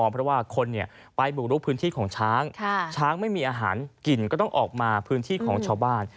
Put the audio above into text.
เพราะว่าคนไปบุกลุกพื้นที่ของช้างช้างไม่มีอาหารกินก็ต้องออกมาพื้นที่ของชาวบ้าน